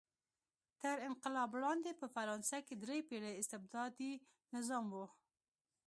تر انقلاب وړاندې په فرانسه کې درې پېړۍ استبدادي نظام و.